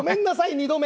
２度目。